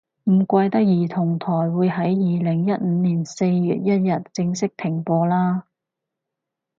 唔怪得兒童台會喺二零一五年四月一日正式停播啦